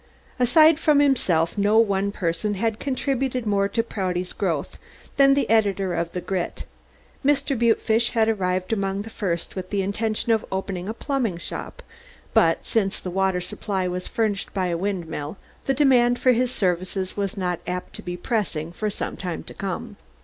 Aside from himself, no one person had contributed more to Prouty's growth than the editor of the Grit. Mr. Butefish had arrived among the first with the intention of opening a plumbing shop, but since the water supply was furnished by a windmill the demand for his services was not apt to be pressing for some time to come.